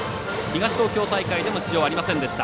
東東京大会でも出場はありませんでした。